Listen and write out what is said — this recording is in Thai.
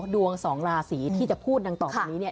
ดวงสองราศีที่จะพูดต่อไปนี้